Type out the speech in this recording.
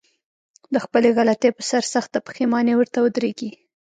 د خپلې غلطي په سر سخته پښېماني ورته ودرېږي.